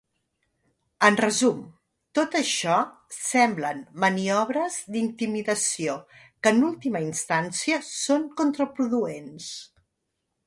En resum, tot això semblen maniobres d’intimidació que en última instància són contraproduents.